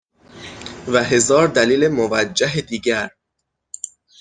و هزار دلیل موجه دیگر